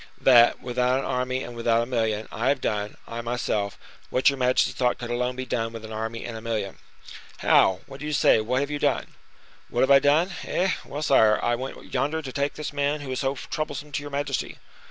"That, without an army and without a million, I have done—I, myself—what your majesty thought could alone be done with an army and a million." "How! What do you say? What have you done?" "What have I done? Eh! well, sire, I went yonder to take this man who is so troublesome to your majesty."